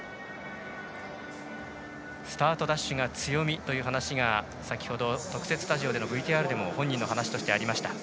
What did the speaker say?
スタートダッシュが強みという話が先ほど、特設スタジオのＶＴＲでも本人の話としてありました。